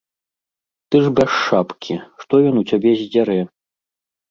Ты ж без шапкі, што ён у цябе здзярэ?